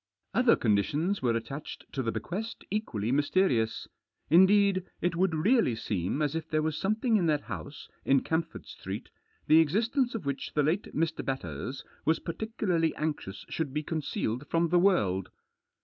Other conditions were attached to the bequest equally mysterious. Indeed, it would really seem as if there was something in that house in Camford Street the existence of which the late Mr. Batters was particu larly anxious should be concealed from the world.